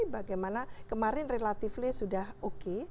bagaimana kemarin relatively sudah oke